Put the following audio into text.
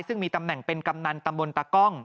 ซึ่งมีตำแหน่งเป็นกำนันตำบลตากล้อง